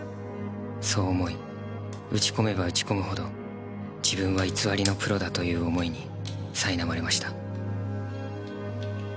そう思い打ち込めば打ち込むほど自分は偽りのプロだという思いに苛まれました。